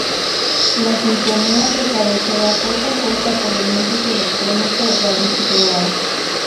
La sintonía de cabecera fue compuesta por el músico electrónico David Roa.